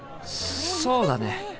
そうだね。